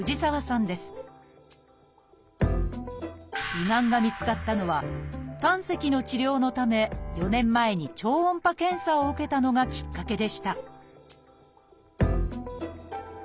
胃がんが見つかったのは胆石の治療のため４年前に超音波検査を受けたのがきっかけでした